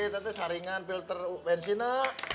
tante saringan filter bensinnya